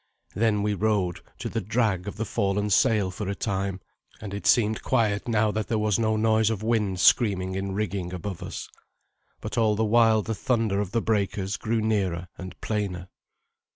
Then we rode to the drag of the fallen sail for a time, and it seemed quiet now that there was no noise of wind screaming in rigging above us. But all the while the thunder of the breakers grew nearer and plainer.